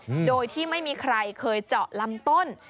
อืมโดยที่ไม่มีใครเคยเจาะลำต้น